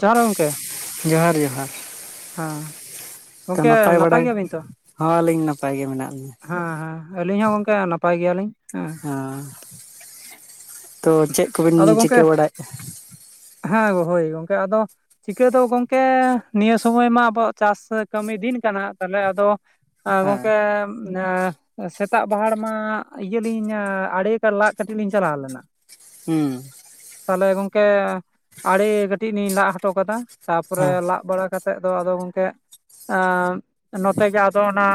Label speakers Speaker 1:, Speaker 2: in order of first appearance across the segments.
Speaker 1: ᱡᱚᱦᱟᱨ ᱜᱮ ᱜᱚᱢᱠᱮ᱾
Speaker 2: ᱡᱚᱦᱟᱨ ᱜᱮ ᱮᱠᱟᱞ ᱾
Speaker 1: ᱦᱩᱸ ᱾
Speaker 2: ᱛᱚ ᱱᱟᱯᱟᱭ ᱵᱟᱲᱟᱭ, ᱦᱚᱸ ᱟᱹᱞᱤᱧ ᱱᱟᱯᱟᱭ ᱜᱮ ᱢᱮᱱᱟᱜ ᱞᱤᱧᱟᱹ᱾
Speaker 1: ᱦᱮᱸ ᱦᱮᱸ ᱟᱹᱞᱤᱧ ᱦᱚᱸ ᱜᱚᱝᱠᱮ ᱱᱟᱯᱟᱭ ᱜᱮᱭᱟᱞᱤᱧ᱾
Speaker 2: ᱦᱮᱸ, ᱛᱚ ᱪᱮᱫ ᱠᱚᱵᱤᱱ
Speaker 1: ᱟᱫᱚ ᱜᱚᱢᱠᱮ
Speaker 2: ᱪᱤᱠᱟᱹ ᱵᱟᱲᱟᱭᱮᱜᱼᱟ?
Speaker 1: ᱦᱮᱸ ᱜᱚ ᱦᱳᱭ ᱜᱚᱝᱠᱮ ᱟᱫᱚ ᱪᱤᱠᱟᱹ ᱫᱚ ᱜᱚᱝᱠᱮ ᱱᱤᱭᱟᱹ ᱥᱚᱢᱚᱭ ᱢᱟ ᱟᱵᱚᱣᱟᱜ ᱪᱟᱥ ᱠᱟᱹᱢᱤ ᱫᱤᱱ ᱠᱟᱱᱟ ᱛᱟᱦᱚᱞᱮ ᱟᱫᱚ, ᱟ
Speaker 2: ᱦᱮᱸ
Speaker 1: ᱜᱚᱝᱠᱮ, ᱚᱱᱟ ᱥᱮᱛᱟᱜ ᱯᱟᱦᱟᱲ ᱢᱟ ᱤᱭᱟᱹᱞᱤᱧ ᱟᱲᱮᱠᱟ ᱞᱟᱜ ᱠᱟᱹᱴᱤᱡ ᱞᱤᱧ ᱪᱟᱞᱟᱣ ᱞᱮᱱᱟ᱾
Speaker 2: ᱦᱩᱸ᱾
Speaker 1: ᱛᱟᱦᱚᱞᱮ ᱜᱚᱝᱠᱮ ᱟᱲᱮ ᱠᱟᱹᱴᱤᱡ ᱞᱤᱧ ᱞᱟᱜ ᱦᱚᱴᱚ ᱠᱟᱫᱟ ᱛᱟᱨᱯᱚᱨᱮ
Speaker 2: ᱦᱮᱸ
Speaker 1: ᱞᱟᱜ ᱵᱟᱲᱟ ᱠᱟ ᱤᱱᱟᱹ ᱠᱟᱛᱮᱫ ᱫᱚ ᱟᱫᱚ ᱜᱚᱝᱠᱮ ᱮᱸ ᱱᱚᱛᱮ ᱜᱮ ᱟᱫᱚ ᱚᱱᱟ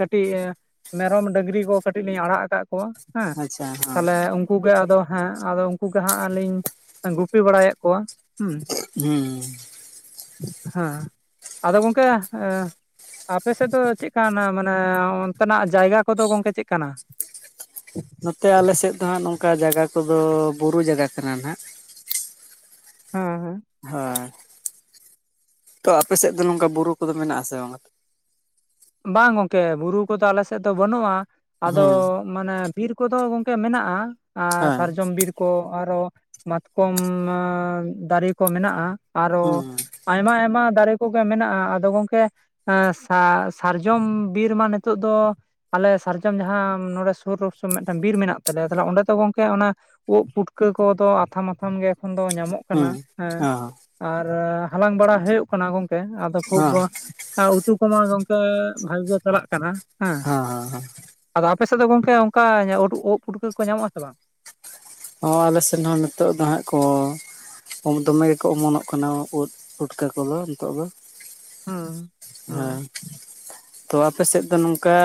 Speaker 1: ᱠᱟᱹᱴᱤᱡ, ᱢᱮᱨᱚᱢ ᱰᱟᱹᱝᱨᱤ ᱠᱚ ᱠᱟᱹᱴᱤᱡ ᱞᱤᱧ ᱟᱲᱟᱜ ᱟᱠᱟᱫ ᱠᱚᱣᱟ ᱦᱮᱸ,
Speaker 2: ᱟᱪᱪᱷᱟ ᱦᱮᱸ
Speaker 1: ᱛᱟᱦᱚᱞᱮ ᱩᱱ ᱟᱫᱚ ᱦᱮᱸ ᱟᱫᱚ ᱩᱱᱠᱩ ᱜᱮ ᱦᱟᱸᱜ ᱟᱹᱞᱤᱧ ᱜᱩᱯᱤ ᱵᱟᱲᱟᱭᱮᱫ ᱠᱚᱣᱟ᱾ ᱦᱩᱸ
Speaker 2: ᱦᱩᱸ᱾
Speaker 1: ᱦᱮᱸ ᱟᱫᱚ ᱜᱚᱝᱠᱮ ᱮᱸ ᱟᱯᱮ ᱥᱮᱫ ᱫᱚ ᱪᱮᱫ ᱠᱟᱱ ᱢᱟᱱᱮ, ᱮᱸ ᱚᱱᱛᱮᱱᱟᱜ ᱡᱟᱭᱜᱟ ᱠᱚᱫᱚ ᱜᱚᱝᱠᱮ ᱪᱮᱫ ᱠᱟᱱᱟ?
Speaker 2: ᱱᱚᱛᱮ ᱟᱞᱮᱥᱮᱫ ᱫᱚ ᱦᱟᱸᱜ ᱱᱚᱝᱠᱟ ᱡᱟᱭᱜᱟ ᱠᱚᱫᱚ ᱵᱩᱨᱩ ᱡᱟᱭᱜᱟ ᱠᱟᱱᱟ ᱱᱟᱦᱟᱜ᱾
Speaker 1: ᱦᱮᱸ ᱦᱮᱸ᱾
Speaker 2: ᱦᱮᱸ᱾ ᱛᱚ ᱟᱯᱮ ᱥᱮᱫ ᱫᱚ ᱱᱚᱝᱠᱟ ᱵᱩᱨᱩ ᱠᱚᱫᱚ ᱢᱮᱱᱟᱜ ᱟᱥᱮ ᱵᱟᱝ ᱟ?
Speaker 1: ᱵᱟᱝ ᱜᱚᱝᱠᱮ ᱵᱩᱨᱩ ᱠᱚᱫᱚ ᱟᱞᱮ ᱥᱮᱫ ᱫᱚ ᱵᱟᱹᱱᱩᱜ-ᱟ᱾ ᱟᱫᱚ
Speaker 2: ᱦᱩᱸ
Speaker 1: ᱢᱟᱱᱮ ᱵᱤᱨ ᱠᱚᱫᱚ ᱜᱚᱝᱠᱮ ᱢᱮᱱᱟᱜ-ᱟ᱾ ᱟᱨ
Speaker 2: ᱦᱮᱸ
Speaker 1: ᱥᱟᱨᱡᱚᱢ ᱵᱤᱨ ᱠᱚ ᱟᱨᱦᱚ ᱢᱟᱛᱠᱚᱢ ᱫᱟᱨᱮ ᱠᱚ ᱢᱮᱱᱟᱜ-ᱟ᱾ ᱟᱨᱦᱚ
Speaker 2: ᱦᱩᱸ
Speaker 1: ᱟᱭᱢᱟ-ᱟᱭᱢᱟ ᱫᱟᱨᱮ ᱠᱚᱜᱮ ᱢᱮᱱᱟᱜ-ᱟ ᱟᱫᱚ ᱜᱚᱝᱠᱮ ᱥᱟ ᱥᱟᱨᱡᱚᱢ ᱵᱤᱨ ᱢᱟ ᱱᱤᱛᱚᱜ ᱫᱚ ᱟᱞᱮ ᱥᱟᱨᱡᱚᱢ ᱡᱟᱦᱟᱸ ᱱᱚᱰᱮ ᱥᱩᱨ [unintelligible] ᱢᱤᱫᱴᱟᱝ ᱵᱤᱨ ᱢᱮᱱᱟᱜ ᱛᱟᱞᱮᱭᱟ ᱛᱟᱦᱚᱞᱮ ᱚᱰᱮ ᱫᱚ ᱜᱚᱝᱠᱮ ᱚᱱᱟ, ᱩᱵ ᱯᱩᱴᱠᱟᱹ ᱠᱚᱫᱚ ᱟᱛᱷᱟᱢ-ᱟᱛᱷᱟᱢ ᱜᱮ, ᱚᱠᱷᱚᱱ ᱫᱚ ᱧᱟᱢᱚᱜ ᱠᱟᱱᱟ
Speaker 2: ᱦᱩᱸ
Speaker 1: ᱦᱮᱸ
Speaker 2: ᱦᱚᱸ
Speaker 1: ᱟᱨ ᱦᱟᱞᱟᱝ ᱵᱟᱲᱟ ᱦᱩᱭᱩᱜ ᱠᱟᱱᱟ ᱜᱚᱝ ᱟᱫᱚ ᱠᱷᱩᱵ
Speaker 2: ᱦᱚᱸ
Speaker 1: ᱩᱛᱩ ᱠᱚᱢᱟ ᱜᱚᱝᱠᱮ ᱵᱷᱟᱜᱮ ᱜᱮ ᱪᱟᱞᱟᱜ ᱠᱟᱱᱟ ᱦᱮᱸ᱾
Speaker 2: ᱦᱚᱸ
Speaker 1: ᱟᱫᱚ ᱟᱯᱮ ᱥᱮᱫ ᱫᱚ ᱜᱚᱝᱠᱮ ᱚᱱᱠᱟ ᱳᱫ ᱯᱩᱴᱠᱟᱹ ᱠᱚ ᱧᱟᱢᱚᱜ ᱟᱥᱮ ᱵᱟᱝ?
Speaker 2: ᱦᱚᱸ ᱟᱞᱮ ᱥᱮᱱ ᱦᱚᱸ ᱱᱤᱛᱚᱜ ᱫᱚ ᱦᱟᱸᱜ ᱠᱚ, ᱫᱚᱢᱮ ᱜᱮᱠᱚ ᱚᱢᱚᱱᱚᱜ ᱠᱟᱱᱟ ᱳᱫ ᱯᱩᱴᱠᱟᱹ ᱠᱚᱫᱚ ᱱᱤᱛᱚᱜ ᱫᱚ᱾
Speaker 1: ᱦᱩᱸ ᱦᱩᱸ
Speaker 2: ᱦᱮᱸ ᱛᱚ ᱟᱯᱮ ᱥᱮᱫ ᱫᱚ ᱱᱚᱝᱠᱟ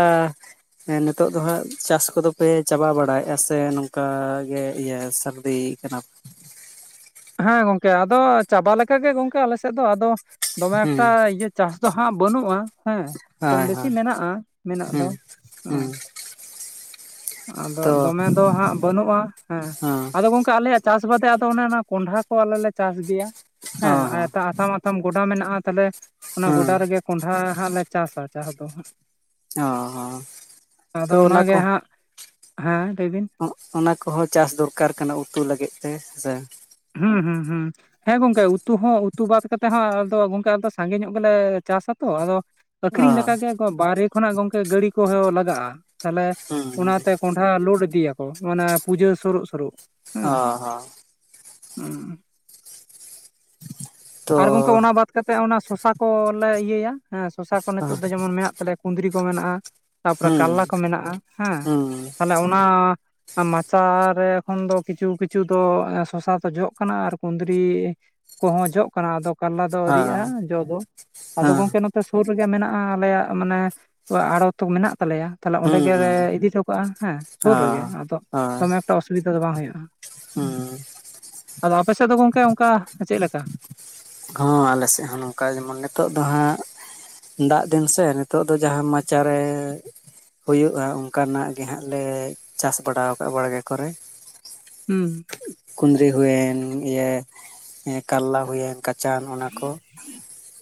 Speaker 2: ᱦᱮᱸ ᱱᱤᱛᱚᱜ ᱫᱚ ᱦᱟᱸᱜ ᱪᱟᱥ ᱠᱚᱫᱚᱯᱮ ᱪᱟᱵᱟ ᱵᱟᱲᱟᱭᱮᱫᱼᱟ ᱥᱮ ᱱᱚᱝᱠᱟ ᱜᱮ ᱤᱭᱟᱹ ᱥᱟᱹᱨᱫᱤ ᱭᱮᱜ ᱠᱟᱱᱟ
Speaker 1: ᱦᱮᱸ ᱜᱚᱝᱠᱮ ᱟᱫᱚ ᱪᱟᱵᱟ ᱞᱮᱠᱟ ᱜᱮ ᱜᱚᱝᱠᱮ ᱟᱞᱮ ᱥᱮᱫ ᱫᱚ, ᱟᱫᱚ ᱫᱚᱢᱮ
Speaker 2: ᱦᱩᱸ
Speaker 1: ᱮᱠᱴᱟ, ᱪᱟᱥ ᱫᱚ ᱦᱟᱸᱜ ᱵᱟᱹᱱᱩᱜ-ᱟ ᱦᱮᱸ ᱠᱚᱢ
Speaker 2: ᱦᱳᱭ
Speaker 1: ᱵᱮᱥᱤ
Speaker 2: ᱦᱳᱭ
Speaker 1: ᱢᱮᱱᱟᱜ-ᱟ ᱢᱮᱱᱟᱜ ᱫᱚ᱾
Speaker 2: ᱦᱩᱸ ᱦᱩᱸ
Speaker 1: ᱟᱫᱚ
Speaker 2: ᱛᱚ
Speaker 1: ᱫᱚᱢᱮ ᱫᱚ ᱦᱟᱸᱜ ᱵᱟᱹᱱᱩᱜ-ᱟ ᱦᱮᱸ ᱟᱫᱚ ᱜᱚᱝᱠᱮ ᱟᱞᱮᱭᱟᱜ ᱪᱟᱥ ᱵᱟᱫᱮ ᱟᱫᱚ ᱚᱱᱮ ᱚᱱᱟ ᱠᱚᱸᱰᱷᱟ ᱠᱚ ᱟᱞᱮ ᱞᱮ ᱪᱟᱥ ᱜᱮᱭᱟ
Speaker 2: ᱚ
Speaker 1: ᱦᱮᱸ
Speaker 2: ᱦᱚᱸ
Speaker 1: ᱟᱭᱛᱷᱟ ᱟᱛᱷᱟᱢ ᱟᱛᱷᱟᱢ ᱜᱚᱰᱟ ᱢᱮᱱᱟᱜ-ᱟ ᱛᱟᱦᱚᱞᱮ ᱚᱱᱟ
Speaker 2: ᱦᱮᱸ
Speaker 1: ᱜᱚᱰᱟ ᱨᱮᱜᱮ ᱠᱚᱸᱰᱷᱟ ᱦᱟᱸᱜ ᱞᱮ ᱪᱟᱥᱟ ᱪᱟᱥ ᱫᱚ ᱦᱟᱸᱜ
Speaker 2: ᱚ ᱦᱚᱸ
Speaker 1: ᱟᱫᱚ
Speaker 2: ᱛᱚ ᱚᱱᱟ
Speaker 1: ᱚᱱᱟᱜᱮ
Speaker 2: ᱠᱚ,
Speaker 1: ᱦᱟᱸᱜ ᱦᱮᱸ ᱞᱟᱹᱭ ᱵᱤᱱ
Speaker 2: ᱚᱱᱟ ᱠᱚᱦᱚᱸ ᱪᱟᱥ ᱫᱚᱨᱠᱟᱨ ᱠᱟᱱᱟ ᱩᱛᱩ ᱞᱟᱹᱜᱤᱫ ᱛᱮ ᱦᱮᱸ ᱥᱮ᱾
Speaker 1: ᱦᱩᱸ ᱦᱩᱸ ᱦᱩᱸ᱾ ᱦᱮᱸ ᱜᱚᱝᱠᱮ ᱩᱛᱩ ᱦᱚᱸ ᱩᱛᱩ ᱵᱟᱫ ᱠᱟᱛᱮᱫ ᱦᱚᱸ ᱟᱫᱚ ᱜᱚᱝᱠᱮ ᱟᱞᱮᱫᱚ ᱥᱟᱸᱜᱮ ᱧᱚᱜ ᱜᱮᱞᱮ ᱪᱟᱥᱟ ᱛᱚ ᱟᱫᱚ,
Speaker 2: ᱚ
Speaker 1: ᱟᱹᱠᱷᱨᱤᱧ ᱞᱮᱠᱟ ᱜᱮ ᱵᱟᱨᱦᱮ ᱠᱷᱚᱱᱟᱜ ᱜᱚᱝᱠᱮ ᱜᱟᱹᱲᱤ ᱠᱚᱦᱚᱸ ᱞᱟᱜᱟ-ᱟ ᱛᱟᱦᱚᱞᱮ
Speaker 2: ᱦᱩᱸ
Speaker 1: ᱚᱱᱟᱛᱮ, ᱞᱳᱰ ᱤᱫᱤᱭ ᱟᱠᱚ ᱢᱟᱱᱮ ᱯᱩᱡᱟᱹ ᱥᱩᱨᱩᱜ-ᱥᱩᱨᱩᱜ
Speaker 2: ᱚ ᱦᱚᱸ,
Speaker 1: [unintelligible]
Speaker 2: ᱛᱚ
Speaker 1: ᱟᱨ ᱜᱚᱝᱠᱮ ᱚᱱᱟ ᱵᱟᱫ ᱠᱟᱛᱮᱜ ᱚᱱᱟ ᱥᱚᱥᱟ ᱠᱚᱞᱮ ᱤᱭᱟᱹᱭᱟ, ᱦᱮᱸ ᱥᱚᱥᱟ ᱠᱚ ᱱᱤᱛᱚᱜ ᱫᱚ ᱡᱮᱢᱚᱱ ᱢᱮᱱᱟᱜ ᱛᱟᱞᱮᱭᱟ᱾ ᱠᱩᱸᱫᱨᱤ ᱠᱚ ᱢᱣᱱᱟᱜ-ᱟ ᱛᱟᱨᱯᱚᱨᱮ
Speaker 2: ᱦᱩᱸ
Speaker 1: ᱠᱟᱨᱞᱟ ᱠᱚ ᱢᱮᱱᱟᱜ-ᱟ ᱦᱮᱸ
Speaker 2: ᱦᱩᱸ
Speaker 1: ᱛᱟᱦᱚᱞᱮ ᱚᱱᱟ ᱢᱟᱪᱟ ᱨᱮ ᱮᱠᱷᱚᱱ ᱫᱚ ᱠᱤᱪᱷᱩ ᱠᱤᱪᱷᱩ ᱫᱚ ᱥᱚᱥᱟ ᱠᱚ ᱡᱚᱜ ᱠᱟᱱᱟ ᱟᱨ ᱠᱩᱸᱫᱽᱨᱤ ᱠᱚᱦᱚᱸ ᱡᱚᱜ ᱠᱟᱱᱟ ᱟᱫᱚ ᱠᱟᱨᱞᱟ ᱫᱚ
Speaker 2: ᱦᱮᱸ
Speaker 1: ᱟᱹᱣᱨᱤᱭᱟᱜᱼᱟ ᱡᱚ ᱫᱚ ᱟᱫᱚ
Speaker 2: ᱦᱮᱸ
Speaker 1: ᱜᱚᱝᱠᱮ ᱥᱩᱨ ᱨᱮᱜᱮ ᱢᱮᱱᱟᱜᱼᱟ ᱟᱞᱮᱭᱟᱜ ᱢᱟᱱᱮ ᱚᱲᱟᱜ ᱚᱲᱮ ᱛᱚ ᱢᱮᱱᱟᱜ ᱛᱟᱞᱮᱭᱟ᱾ ᱛᱟᱦᱚᱞᱮ ᱚᱸᱰᱮ
Speaker 2: ᱦᱩᱸ
Speaker 1: ᱜᱮᱞᱮ ᱤᱫᱤ ᱴᱚ ᱠᱟᱜᱼᱟ ᱦᱮᱸ
Speaker 2: ᱦᱩᱸ
Speaker 1: ᱥᱩᱨ
Speaker 2: ᱚ
Speaker 1: ᱨᱮᱜᱮ ᱟᱫᱚ ᱫᱚᱢᱮ ᱛᱚ ᱚᱥᱩᱵᱤᱫᱟ ᱫᱚ ᱵᱟᱝ ᱦᱩᱭᱩᱜᱼᱟ᱾
Speaker 2: ᱦᱟᱸ᱾
Speaker 1: ᱟᱫᱚ ᱟᱯᱮᱥᱮᱫ ᱫᱚ ᱜᱚᱝᱠᱮ ᱚᱱᱠᱟ ᱥᱮ ᱪᱮᱫ ᱞᱮᱠᱟ?
Speaker 2: ᱦᱚᱸ ᱟᱞᱮ ᱥᱮᱫ ᱦᱚᱸ ᱱᱚᱝᱠᱟ ᱜᱮ ᱡᱮᱢᱚᱱ ᱱᱤᱛᱚᱜ ᱫᱚ ᱦᱟᱸᱜ ᱫᱟᱜ ᱫᱤᱱ ᱥᱮ ᱱᱤᱛᱚᱜ ᱫᱚ ᱡᱟᱦᱟᱸ ᱢᱟᱪᱟᱨᱮ ᱦᱩᱭᱩᱜᱼᱟ ᱚᱱᱠᱟᱱᱟᱜ ᱜᱮᱦᱟᱸᱟᱜ ᱞᱮ ᱪᱟᱥ ᱵᱟᱲᱟ ᱟᱠᱟᱫᱼᱟ ᱵᱟᱲᱜᱮ ᱠᱚᱨᱮ᱾
Speaker 1: ᱦᱩᱸ᱾
Speaker 2: ᱠᱩᱸᱫᱽᱨᱤ ᱦᱩᱭᱮᱱ, ᱤᱭᱟᱹ ᱠᱟᱨᱞᱟ ᱦᱩᱭᱮᱱ᱾ ᱠᱟᱪᱟᱱ ᱚᱱᱟ ᱠᱚ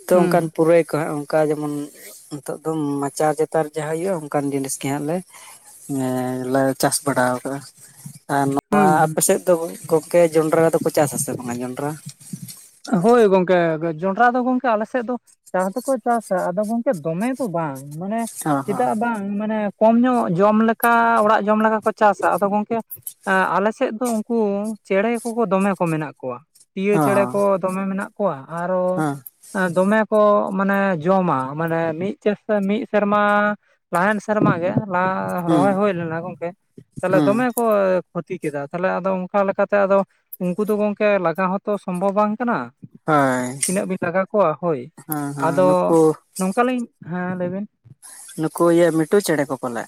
Speaker 2: ᱛᱚ ᱚᱱᱠᱟᱱ
Speaker 1: ᱦᱩᱸ
Speaker 2: ᱯᱩᱨᱟᱹᱭ ᱠᱚ ᱦᱟᱸᱜ᱾ ᱚᱱᱠᱟ ᱡᱮᱢᱚᱱ ᱱᱤᱛᱚᱜ ᱫᱚ ᱢᱟᱪᱟᱨ ᱪᱟᱛᱟᱨ ᱡᱟᱦᱟᱸ ᱦᱳᱭᱩᱜᱼᱟ ᱚᱱᱠᱟᱱ ᱡᱤᱱᱤᱥ ᱜᱮ ᱦᱟᱸᱜ ᱞᱮ ᱮᱸ ᱞᱮ ᱪᱟᱥ ᱵᱟᱲᱟᱣ ᱠᱟᱜ-ᱟ᱾ ᱟᱨ ᱱᱚᱣᱟ
Speaker 1: ᱦᱩᱸ ᱦᱩᱸ
Speaker 2: ᱟᱯᱮᱥᱮᱫ ᱫᱚ ᱜᱚᱝᱠᱮ ᱡᱚᱱᱰᱨᱟ ᱫᱚᱠᱚ ᱪᱟᱥ ᱟᱥᱮ ᱵᱟᱝᱟ ᱡᱚᱱᱰᱨᱟ?
Speaker 1: ᱦᱳᱭ ᱜᱚᱝᱠᱮ ᱡᱚᱱᱰᱨᱟ ᱫᱚ ᱜᱚᱝᱠᱮ ᱟᱞᱮᱥᱮᱫ ᱫᱚ ᱪᱟᱥ ᱫᱚᱠᱚ ᱪᱟᱥᱟ ᱟᱫᱚ ᱜᱚᱝᱠᱮ ᱫᱚᱢᱮ ᱫᱚ ᱵᱟᱝ ᱢᱟᱱᱮ
Speaker 2: ᱚ ᱦᱚᱸ
Speaker 1: ᱪᱮᱫᱟᱜ ᱵᱟᱝ ᱢᱟᱱᱮ ᱠᱚᱢ ᱧᱚᱜ ᱡᱚᱢ ᱞᱮᱠᱟ ᱚᱲᱟᱜ ᱡᱚᱢ ᱞᱮᱠᱟ ᱠᱚ ᱪᱟᱥᱟ᱾ ᱟᱫᱚ ᱜᱚᱝᱠᱮ ᱟᱞᱮ ᱥᱮᱫ ᱫᱚ ᱩᱱᱠᱩ ᱪᱮᱬᱮ ᱠᱚᱠᱚ ᱫᱚᱢᱮ ᱠᱚ ᱢᱮᱱᱟᱜ ᱠᱚᱣᱟ᱾ ᱯᱤᱭᱳ
Speaker 2: ᱚ
Speaker 1: ᱪᱮᱬᱮ
Speaker 2: ᱦᱚᱸ
Speaker 1: ᱠᱚ ᱫᱚᱢᱮ ᱠᱚᱣᱟ ᱟᱨᱚ
Speaker 2: ᱦᱚᱸ
Speaker 1: ᱫᱚᱢᱮ ᱠᱚ ᱢᱟᱱᱮ ᱡᱚᱢᱟ, ᱢᱟᱱᱮ ᱢᱤᱫ ᱪᱟᱥ ᱨᱮ ᱢᱤᱫ ᱥᱮᱨᱢᱟ ᱞᱟᱦᱟᱭᱮᱱ ᱥᱮᱨᱢᱟ ᱜᱮ ᱞᱟᱦᱟ
Speaker 2: ᱦᱩᱸ
Speaker 1: ᱨᱚᱦᱚᱭ ᱦᱩᱭ ᱞᱮᱱᱟ ᱜᱚᱝᱠᱮ᱾ ᱛᱟᱦᱞᱮ
Speaker 2: ᱦᱩᱸ
Speaker 1: ᱫᱚᱢᱮ ᱠᱚ ᱠᱷᱚᱛᱤ ᱠᱮᱫᱟ᱾ ᱛᱟᱦᱞᱮ ᱟᱫᱚ ᱚᱱᱠᱟ ᱞᱮᱠᱟᱛᱮ ᱟᱫᱚ ᱩᱱᱠᱩ ᱫᱚ ᱜᱚᱝᱠᱮ ᱞᱟᱜᱟ ᱦᱚᱸᱛᱚ ᱥᱚᱢᱵᱷᱚᱵᱽ ᱵᱟᱝ ᱠᱟᱱᱟ
Speaker 2: ᱦᱳᱭ
Speaker 1: ᱾ ᱛᱤᱱᱟᱹᱜ ᱵᱤᱱ ᱞᱟᱜᱟ ᱠᱚᱣᱟ ᱦᱳᱭ
Speaker 2: ᱦᱮᱸ ᱦᱮᱸ
Speaker 1: ᱟᱫᱚ
Speaker 2: ᱱᱩᱠᱩ
Speaker 1: ᱱᱚᱝᱠᱟᱞᱤᱧ, ᱦᱮᱸ ᱞᱟᱹᱭᱵᱤᱱ᱾
Speaker 2: ᱱᱩᱠᱩ ᱤᱭᱟᱹ ᱢᱤᱴᱩ ᱪᱮᱬᱮ ᱠᱚ ᱠᱚ ᱯᱟᱞᱮ